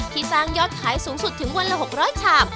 สร้างยอดขายสูงสุดถึงวันละ๖๐๐ชาม